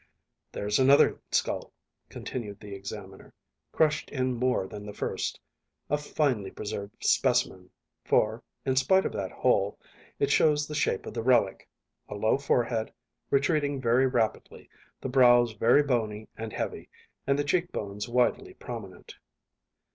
"There's another skull," continued the examiner, "crushed in more than the first. A finely preserved specimen, for, in spite of that hole, it shows the shape of the relic a low forehead, retreating very rapidly, the brows very bony and heavy, and the cheek bones widely prominent."